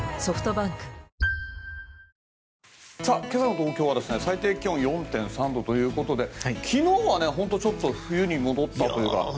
今朝の東京は最低気温４．３度ということで昨日は本当にちょっと冬に戻ったというか。